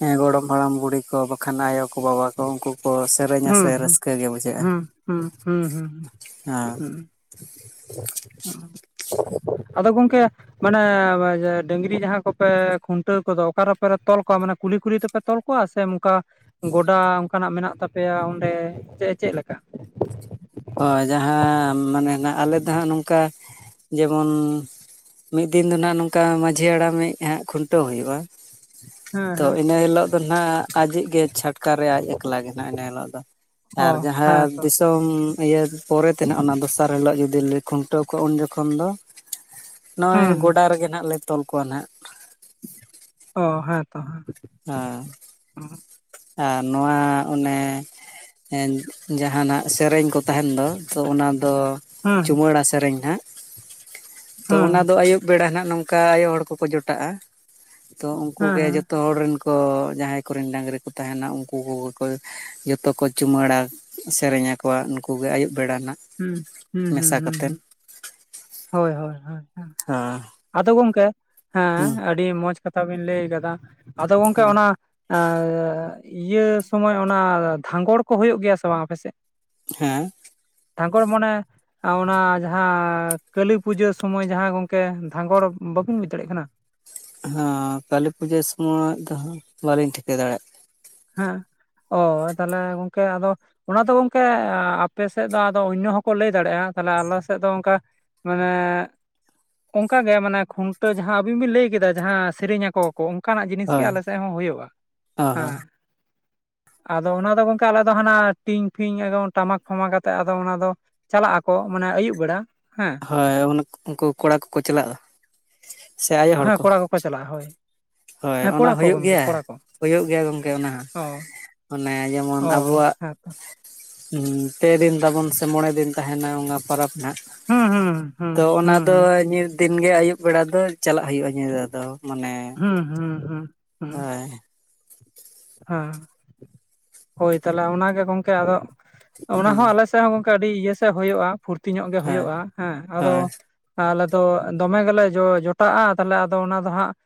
Speaker 2: ᱦᱮᱸ ᱜᱚᱲᱚᱢ ᱦᱟᱲᱟᱢ ᱵᱩᱲᱦᱤ ᱠᱚ ᱵᱟᱠᱷᱟᱱ ᱟᱭᱳ ᱠᱚ ᱵᱟᱵᱟ ᱠᱚ ᱛᱚ ᱩᱝᱠᱩ ᱠᱚ ᱥᱮᱨᱮᱧᱟ
Speaker 1: ᱦᱩᱸ
Speaker 2: ᱥᱮ
Speaker 1: ᱦᱩᱸ
Speaker 2: ᱨᱟᱹᱥᱠᱟᱹ ᱜᱮ ᱵᱩᱡᱷᱟᱹᱜᱼᱟ ᱾
Speaker 1: ᱦᱩᱸ ᱦᱩᱸ ᱦᱩᱸ ᱦᱩᱸ ᱟᱫᱚ ᱜᱚᱝᱠᱮ ᱢᱟᱱᱮ ᱡᱮ ᱰᱟᱹᱝᱨᱤ ᱡᱟᱦᱟᱸ ᱠᱚᱯᱮ ᱠᱷᱩᱱᱴᱟᱹᱣ ᱠᱚᱫᱚ ᱚᱠᱟᱨᱮᱯᱮ ᱛᱚᱞ ᱠᱚᱣᱟ ᱢᱟᱱᱮ ᱠᱩᱞᱦᱤ ᱠᱩᱞᱦᱤ ᱛᱮᱯᱮ ᱛᱚᱞ ᱠᱚᱣᱟ ᱥᱮ ᱱᱚᱝᱠᱟ ᱜᱚᱰᱟ ᱚᱱᱠᱟᱱᱟᱜ ᱢᱮᱱᱟᱜ ᱛᱟᱯᱮᱭᱟ ᱚᱸᱰᱮ ᱪᱮᱜ ᱪᱮᱜ ᱞᱮᱠᱟ?
Speaker 2: ᱦᱳᱭ ᱡᱟᱦᱟᱸ ᱢᱟᱱᱮ ᱱᱷᱟᱜ ᱟᱞᱮ ᱫᱚ ᱦᱟᱸᱜ ᱱᱚᱝᱠᱟ ᱡᱮᱢᱚᱱ ᱢᱤᱫ ᱫᱤᱱ ᱫᱚ ᱱᱷᱟᱜ ᱱᱚᱝᱠᱟ ᱢᱟᱺᱡᱷᱤ ᱦᱟᱲᱟᱢᱤᱡ ᱦᱟᱸᱜ ᱠᱷᱩᱱᱴᱟᱹᱣ ᱦᱩᱭᱩᱜᱼᱟ ᱾
Speaker 1: ᱦᱮᱸ
Speaker 2: ᱛᱚ
Speaker 1: ᱦᱮᱸ
Speaker 2: ᱤᱱᱟᱹ ᱦᱤᱞᱚᱜ ᱫᱚ ᱱᱷᱟᱜ ᱟᱡᱤᱡ ᱜᱮ ᱪᱷᱟᱴᱠᱟ ᱨᱮ ᱟᱡ ᱮᱠᱞᱟ ᱜᱮ ᱱᱷᱟᱜ ᱤᱱᱟᱹ ᱦᱤᱞᱚᱜ ᱫᱚ ᱾
Speaker 1: ᱚ
Speaker 2: ᱟᱨ
Speaker 1: ᱦᱮᱸ ᱛᱚ
Speaker 2: ᱡᱟᱦᱟᱸᱫᱤᱥ ᱫᱚᱢ ᱤᱭᱟᱹ ᱯᱚᱨᱮ ᱛᱮ ᱱᱷᱟᱜ ᱚᱱᱟ ᱫᱚᱥᱟᱨ ᱦᱤᱞᱚᱜ ᱡᱩᱫᱤ ᱞᱮ ᱠᱷᱩᱱᱴᱟᱹᱣ ᱠᱚᱣᱟ ᱩᱱ ᱡᱚᱠᱷᱚᱱ ᱫᱚ
Speaker 1: ᱦᱩᱸ
Speaker 2: ᱱᱚᱜᱼᱚᱭ
Speaker 1: ᱦᱩᱸ
Speaker 2: ᱜᱚᱰᱟ ᱨᱮᱜᱮ ᱱᱷᱟᱜ ᱞᱮ ᱛᱚᱞ ᱠᱚᱣᱟ ᱱᱷᱟᱜ ᱾
Speaker 1: ᱚ ᱦᱮᱸ ᱛᱚ ᱾
Speaker 2: ᱟᱸᱻ ᱟᱨ ᱱᱚᱣᱟ ᱚᱱᱮ ᱮᱸᱱ ᱡᱟᱦᱟᱸᱱᱟᱜ ᱥᱮᱨᱮᱧ ᱠᱚ ᱛᱟᱦᱮᱱ ᱫᱚ ᱛᱚ ᱚᱱᱟ ᱫᱚ
Speaker 1: ᱦᱩᱸ
Speaker 2: ᱪᱩᱢᱟᱣᱹᱲᱟ ᱥᱮᱨᱮᱧ ᱱᱷᱟᱜ ᱾ ᱛᱚ
Speaker 1: ᱦᱩᱸ
Speaker 2: ᱚᱱᱟ ᱫᱚ ᱟᱹᱭᱩᱵ ᱵᱮᱲᱟ ᱱᱷᱟᱜ ᱱᱚᱝᱠᱟ ᱟᱭᱳ ᱦᱚᱲ ᱠᱚᱠᱚ ᱡᱚᱴᱟᱜᱼᱟ ᱛᱚ ᱩᱝᱠᱩ
Speaker 1: ᱦᱮᱸ
Speaker 2: ᱜᱮ
Speaker 1: ᱦᱮᱸ
Speaker 2: ᱡᱚᱛᱚ ᱦᱚᱲ ᱨᱮᱱ ᱠᱚ, ᱡᱟᱦᱟᱸᱭ ᱠᱚᱨᱮᱱ ᱰᱟᱹᱟᱝᱨᱤ ᱠᱚ ᱛᱟᱦᱮᱱᱟ ᱩᱝᱠᱩ ᱠᱚᱜᱮ ᱠᱚ᱾ ᱡᱚᱛᱚ ᱠᱚ ᱪᱩᱢᱟᱹᱲᱟ ᱥᱮᱨᱮᱧᱟ ᱟᱠᱚᱣᱟ ᱱᱩᱠᱩ ᱜᱮ ᱟᱹᱭᱩᱵ ᱵᱮᱲᱟ ᱱᱟ᱾
Speaker 1: ᱦᱩᱸ ᱦᱩᱸ ᱦᱩᱸ ᱦᱩᱸ ᱦᱩᱸᱦᱳᱭ ᱦᱳᱭ ᱦᱳᱭ ᱦᱳᱭ᱾
Speaker 2: ᱟᱸ
Speaker 1: ᱟᱫᱚ ᱜᱚᱝᱠᱮ ᱦᱮᱸ ᱟᱹᱰᱤ ᱢᱚᱡᱽ ᱠᱟᱛᱷᱟ ᱵᱤᱱ ᱞᱟᱹᱭ ᱠᱟᱫᱟ ᱟᱫᱚ ᱜᱚᱝᱠᱮ
Speaker 2: ᱦᱮᱸ
Speaker 1: ᱚᱱᱟ ᱟᱸ ᱤᱭᱟᱹ ᱥᱚᱢᱚᱭ ᱚᱱᱟ ᱫᱷᱟᱸᱜᱚᱲ ᱠᱚ ᱦᱳᱭᱳᱜ ᱜᱮᱭᱟ ᱥᱮ ᱵᱟᱝ ᱟᱯᱮᱥᱮᱜ?
Speaker 2: ᱦᱮᱸ᱾
Speaker 1: ᱫᱷᱟᱸᱜᱚᱲ ᱢᱚᱱᱮ ᱚᱱᱟ ᱡᱟᱦᱟᱸ ᱠᱟᱹᱞᱤ ᱯᱩᱡᱟᱹ ᱥᱚᱢᱚᱭ ᱡᱟᱦᱟᱸ ᱜᱚᱝᱠᱮ ᱫᱷᱟᱸᱜᱚᱲ ᱵᱟᱹᱵᱤᱱ ᱵᱩᱡᱽ ᱫᱟᱲᱮᱭᱟᱜ ᱠᱟᱱᱟ?
Speaker 2: ᱦᱟᱸ ᱠᱟᱹᱞᱤ ᱯᱩᱡᱟᱹ ᱥᱚᱢᱚᱭ ᱫᱚ ᱦᱟᱸᱜ ᱵᱟᱹᱞᱤᱧ ᱴᱷᱤᱠᱟᱹ ᱫᱟᱲᱮᱭᱟᱜ ᱠᱟᱱᱟ᱾
Speaker 1: ᱦᱮᱸ ᱚ ᱛᱟᱦᱟᱞᱮ ᱜᱚᱝᱠᱮ ᱟᱫᱚ ᱚᱱᱟ ᱫᱚ ᱜᱚᱝᱠᱮ ᱟᱯᱮ ᱥᱮᱫ ᱫᱚ ᱟᱫᱚ ᱚᱱᱱᱚ ᱦᱚᱸᱠᱚ ᱞᱟᱹᱭ ᱫᱟᱲᱮᱭᱟᱜᱼᱟ ᱛᱟᱦᱞᱮ ᱟᱞᱮ ᱥᱮᱫ ᱫᱚ ᱚᱝᱠᱟ ᱢᱟᱱᱮ ᱚᱝᱠᱟᱜᱮ ᱢᱟᱱᱮ ᱠᱷᱩᱱᱴᱟᱹᱣ ᱡᱟᱦᱟᱸ ᱟᱹᱵᱤᱱ ᱵᱤᱱ ᱞᱟᱹᱭ ᱠᱮᱫᱟ ᱡᱟᱦᱟᱸ ᱥᱮᱨᱮᱧ ᱟᱠᱚ ᱚᱝᱠᱟᱱᱟᱜ ᱡᱤᱱᱤᱥ ᱜᱮ
Speaker 2: ᱦᱳᱭ
Speaker 1: ᱟᱞᱮ ᱥᱮᱫ ᱦᱚᱸ ᱦᱳᱭᱳᱜᱼᱟ᱾
Speaker 2: ᱚ
Speaker 1: ᱦᱮᱸ᱾
Speaker 2: ᱦᱚᱸ
Speaker 1: ᱟᱫᱚ ᱚᱱᱟ ᱜᱚᱝᱠᱮ ᱟᱞᱮ ᱫᱚ ᱦᱟᱱᱟ ᱴᱤᱝ ᱯᱷᱤᱝ ᱮᱠᱫᱚᱢ ᱴᱟᱢᱟᱠ ᱴᱟᱢᱟᱠ ᱠᱷᱚᱢᱟ ᱛᱮᱜ ᱚᱱᱟ ᱫᱚ ᱪᱟᱞᱟᱜ ᱟᱠᱚ ᱢᱟᱱᱮ ᱟᱹᱭᱩᱵ ᱵᱮᱲᱟ ᱦᱮᱸ᱾
Speaker 2: ᱦᱳᱭ ᱚᱱᱟ ᱩᱱᱠᱩ ᱠᱚᱲᱟ ᱠᱚᱠᱚ ᱪᱟᱞᱟᱜᱼᱟ᱾
Speaker 1: ᱦᱮᱸ ᱠᱚᱲᱟ ᱠᱚᱠᱚ ᱪᱟᱞᱟᱜᱼᱟ᱾ ᱦᱳᱹᱭ᱾
Speaker 2: ᱦᱳᱹᱭ ᱚᱱᱟ ᱦᱳᱭᱳᱜ ᱜᱮᱭᱟ ᱦᱳᱭᱳᱜ ᱜᱮᱭᱟ ᱜᱚᱝᱠᱮ ᱚᱱᱟ ᱦᱚᱸ᱾
Speaker 1: ᱚ
Speaker 2: ᱚᱱᱮ ᱡᱮᱢᱚᱱ
Speaker 1: ᱚ
Speaker 2: ᱟᱵᱚᱣᱟᱼᱜ
Speaker 1: ᱦᱮᱸᱛᱚ
Speaker 2: ᱯᱮ ᱛᱟᱵᱚᱱ ᱥᱮ ᱢᱚᱬᱮ ᱫᱤᱱ ᱛᱟᱦᱮ ᱱᱟ ᱯᱚᱨᱟᱵᱽ ᱦᱟ
Speaker 1: ᱦᱩᱸ ᱦᱩᱸ᱾
Speaker 2: ᱛᱚ ᱚᱱᱟ
Speaker 1: ᱦᱩᱸ
Speaker 2: ᱫᱚ
Speaker 1: ᱦᱩᱸ
Speaker 2: ᱱᱤᱫ ᱫᱤᱱ ᱜᱮ ᱟᱹᱭᱩᱵ ᱵᱮᱲᱟ ᱫᱚ ᱪᱟᱞᱟᱜ ᱦᱩᱭᱩᱜᱼᱟ᱾ ᱧᱤᱫᱟᱹ ᱫᱚ ᱢᱟᱱᱮ᱾
Speaker 1: ᱦᱩᱸ ᱦᱩᱸ ᱦᱩᱸ᱾ ᱦᱩᱸ
Speaker 2: ᱦᱳᱭ
Speaker 1: ᱦᱮᱸ ᱦᱳᱭ ᱛᱟᱦᱚᱞᱮ ᱚᱱᱟ ᱜᱮ ᱜᱚᱝᱠᱮ ᱟᱫᱚ ᱚᱱᱟ
Speaker 2: ᱦᱩᱸ
Speaker 1: ᱦᱚᱸ ᱟᱞᱮ ᱥᱮᱫ ᱱᱛᱮ ᱦᱚᱸ ᱜᱚᱝᱠᱮ ᱟᱹᱰᱤ ᱤᱭᱟᱹ ᱥᱮᱫ ᱦᱩᱭᱩᱜᱼᱟ᱾ ᱯᱷᱩᱨᱛᱤ ᱧᱚᱜ ᱜᱮ
Speaker 2: ᱦᱳᱭ
Speaker 1: ᱦᱩᱭᱩᱜᱼᱟ᱾ ᱦᱮᱸ ᱟᱫᱚ
Speaker 2: ᱦᱳᱭ
Speaker 1: ᱟᱞᱮ ᱫᱚ ᱫᱚᱢᱮ ᱜᱮᱞᱮ ᱡᱚ ᱡᱚᱴᱟᱜᱼᱟ᱾ ᱛᱟᱦᱞᱮ ᱟᱫᱚ ᱚᱱᱟ ᱫᱚ ᱦᱟᱸᱜ